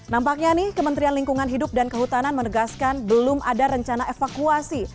nampaknya nih kementerian lingkungan hidup dan kehutanan menegaskan belum ada rencana evakuasi